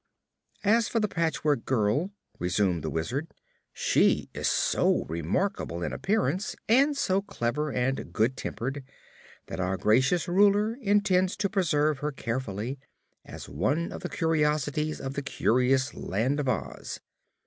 "As for the Patchwork Girl," resumed the Wizard, "she is so remarkable in appearance, and so clever and good tempered, that our Gracious Ruler intends to preserve her carefully, as one of the curiosities of the curious Land of Oz.